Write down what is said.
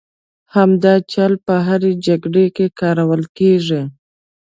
همدا چل په هرې جګړې کې کارول کېږي.